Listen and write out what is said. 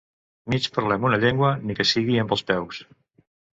Mig parlem una llengua, ni que sigui amb els peus.